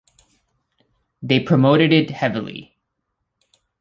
They promoted it heavily.